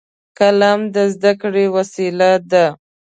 قلم د زده کړې وسیله ده